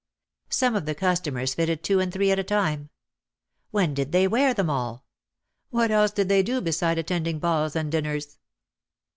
Some of the cus tomers fitted two and three at a time. When did they wear them all? What else did they do beside attending balls and dinners?